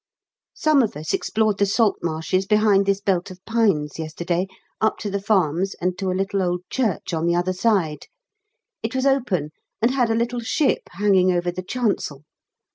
Some of us explored the salt marshes behind this belt of pines yesterday, up to the farms and to a little old church on the other side; it was open, and had a little ship hanging over the chancel.